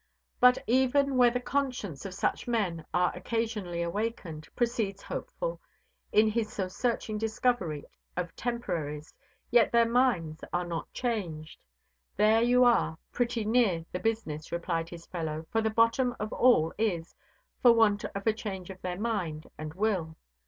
But even where the consciences of such men are occasionally awakened, proceeds Hopeful, in his so searching discovery of Temporaries, yet their minds are not changed. There you are pretty near the business, replied his fellow; for the bottom of all is, for want of a change of their mind and will.